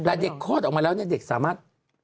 แต่เด็กโฆษออกมาแล้วเด็กสามารถ